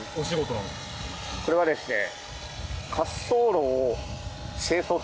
これはですね。